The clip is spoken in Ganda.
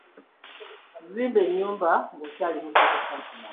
Zimba ennyumba ng'okyali muvubuka.